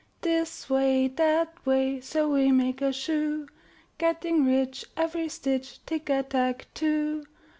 This way, that way. So we make a shoe; Getting rich every stitch, Tick a tack too!